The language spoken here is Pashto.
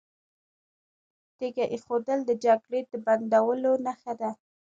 تیږه ایښودل د جګړې د بندولو نښه ده.